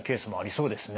そうですね